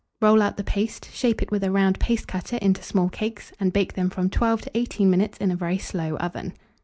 Roll out the paste, shape it with a round paste cutter into small cakes, and bake them from 12 to 18 minutes in a very slow oven.